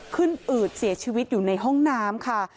อืดเสียชีวิตอยู่ในห้องน้ำค่ะ